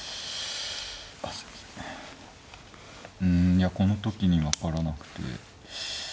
うんいやこの時に分からなくて。